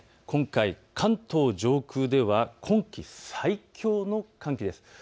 今回、関東上空では今季最強の寒気です。